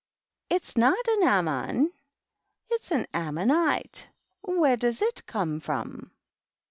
It's not an ammon. It's an ammonife. Where does it come from